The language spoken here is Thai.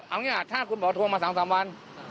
ไม่เคยผมไม่เคยเอาอย่างนี้อ่ะถ้าคุณบอกว่าทวงมา๓๓วัน